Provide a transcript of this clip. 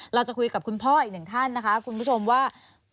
เราจะคุยกับคุณพ่ออีกหนึ่งท่านนะคะคุณผู้ชมว่า